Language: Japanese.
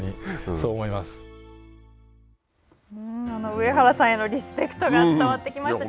上原さんへのリスペクトが伝わってきました。